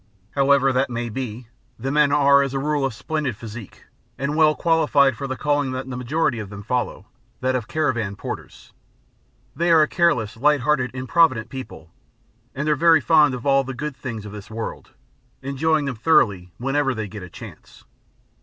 However that may be, the men are as a rule of splendid physique and well qualified for the calling that the majority of them follow, that of caravan porters. They are a careless, light hearted, improvident people, and are very fond of all the good things of this world, enjoying them thoroughly whenever they get the chance.